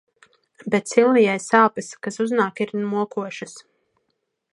Bet Silvijai sāpes, kas uznāk ir mokošas.